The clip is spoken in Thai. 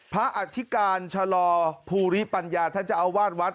อธิการชะลอภูริปัญญาท่านเจ้าอาวาสวัด